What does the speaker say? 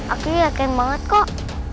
aku yakin banget kok